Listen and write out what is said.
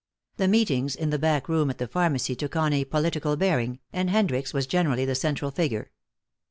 The meetings in the back room at the pharmacy took on a political bearing, and Hendricks was generally the central figure.